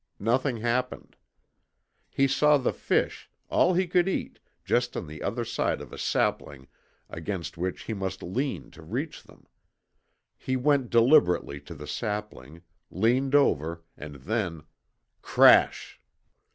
Nothing happened. He saw the fish, all he could eat, just on the other side of a sapling against which he must lean to reach them. He went deliberately to the sapling, leaned over, and then! "CRASH!"